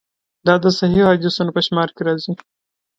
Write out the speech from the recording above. دا د صحیحو حدیثونو په شمار کې راځي.